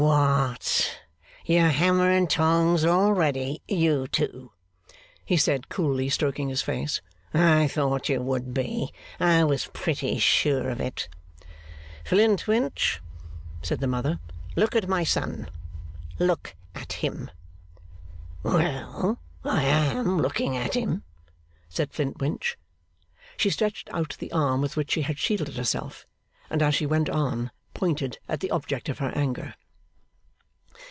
'What! You're hammer and tongs, already, you two?' he said, coolly stroking his face. 'I thought you would be. I was pretty sure of it.' 'Flintwinch!' said the mother, 'look at my son. Look at him!' 'Well, I am looking at him,' said Flintwinch. She stretched out the arm with which she had shielded herself, and as she went on, pointed at the object of her anger.